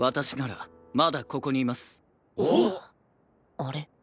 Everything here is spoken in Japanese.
あれ？